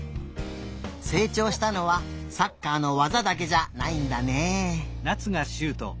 せいちょうしたのはサッカーのわざだけじゃないんだね。